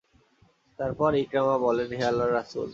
তারপর ইকরামা বললেন, হে আল্লাহর রাসূল!